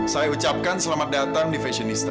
saya ucapkan selamat datang di fashionista